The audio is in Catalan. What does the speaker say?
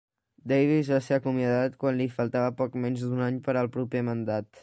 Davis va ser acomiadat quan li faltava poc menys d'un any per al proper mandat.